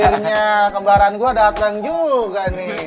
akhirnya kembaran gue datang juga nih